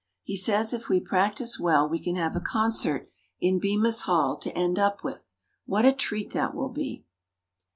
He says if we practise well we can have a concert in Bemis Hall to end up with. What a treat that will be!